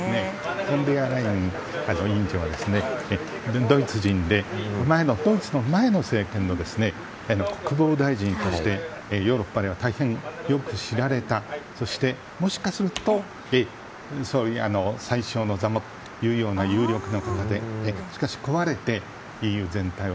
フォン・デア・ライエン委員長はドイツ人で、ドイツの前の政権の国防大臣としてヨーロッパでは大変よく知られたそしてもしかすると宰相の座もということも言われていますが。